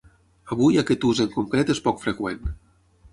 Avui aquest ús en concret és poc freqüent.